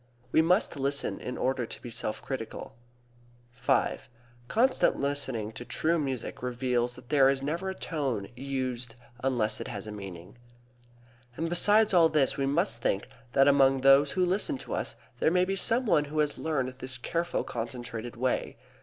We must listen in order to be self critical. V. Constant listening to true music reveals that there is never a tone used unless it has a meaning. And besides all this we must think that among those who listen to us there may be some one who has learned this careful concentrated way.